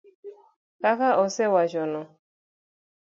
Kaka osewachi no.